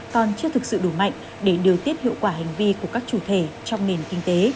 còn chưa thực sự đủ mạnh để điều tiết hiệu quả hành vi của các chủ thể trong nền kinh tế